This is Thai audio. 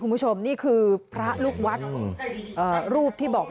บางตอนก็มีอาการเกลี้ยวกราษต่อว่าพระต่อว่าชาวบ้านที่มายืนล้อมอยู่แบบนี้ค่ะ